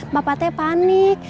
bapak teh panik